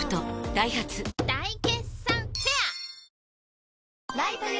ダイハツ大決算フェア